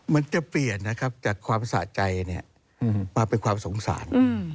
มันจะเปลี่ยนนะครับจากความสะใจมาเป็นความสงสาร